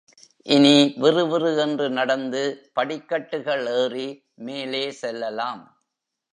இனி விறு விறு என்று நடந்து படிக்கட்டுகள் ஏறி மேலே செல்லலாம்.